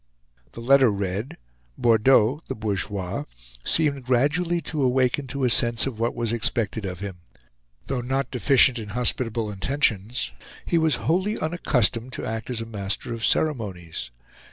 The letter read, Bordeaux (the bourgeois) seemed gradually to awaken to a sense of what was expected of him. Though not deficient in hospitable intentions, he was wholly unaccustomed to act as master of ceremonies.